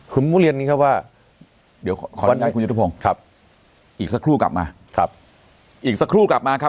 คือมุมเรียนนี้ครับว่าเดี๋ยวขอร้องให้คุณยุทธพงศ์ครับอีกสักครู่กลับมาครับ